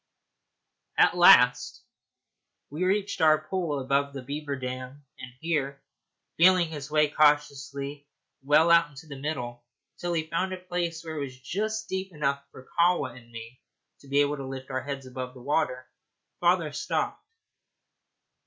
At last we reached our pool above the beaver dam, and here, feeling his way cautiously well out into the middle, till he found a place where it was just deep enough for Kahwa and me to be able to lift our heads above the water, father stopped.